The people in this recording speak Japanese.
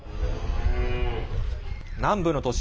南部の都市